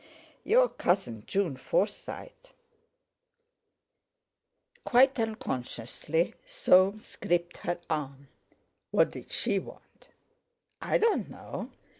"Your cousin, June Forsyte." Quite unconsciously Soames gripped her arm. "What did she want?" "I don't know.